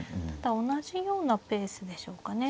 同じようなペースでしょうかね